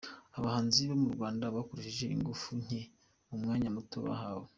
Abahanzi bo mu Rwanda bakoresheje ingufu nke mu mwanya muto bahawe.